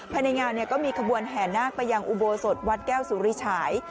ภายในงานก็มีขบวนแห่นาคไปยังอุโบสถวัดแก้วสุริฉาย